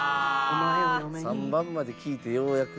３番まで聴いてようやくね。